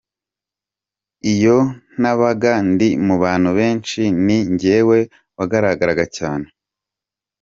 Iyo nabaga ndi mu bantu benshi ni jyewe wagaragara cyane.